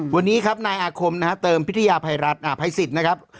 วันนี้ครับนายอาคมนะฮะเติมพิทยาภัยรัฐภัยสิทธิ์นะครับ